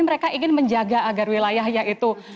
mereka ingin menjaga agar wilayahnya itu